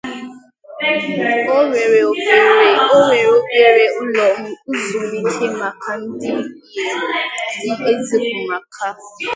Onwere obere ulo ezumike maka ndi njem dị ezigbọ Mkpa.